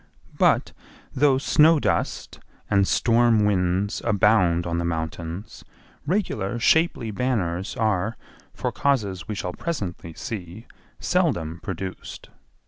But, though snow dust and storm winds abound on the mountains, regular shapely banners are, for causes we shall presently see, seldom produced.